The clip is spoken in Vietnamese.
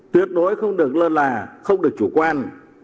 tuyệt đối không được lơ là không được chủ quan